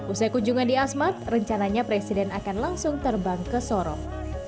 usai kunjungan di asmat rencananya presiden akan langsung terbang ke sorong